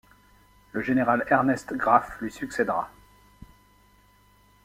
Le général Ernest Graff lui succédera.